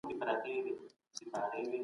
تاریخ یوازې د پېښو مجموعه نه ده.